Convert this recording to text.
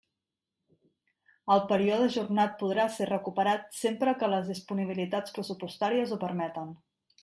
El període ajornat podrà ser recuperat sempre que les disponibilitats pressupostàries ho permeten.